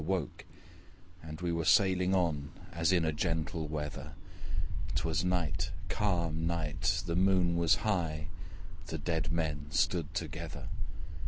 I woke, and we were sailing on As in a gentle weather: 'Twas night, calm night, the moon was high; The dead men stood together.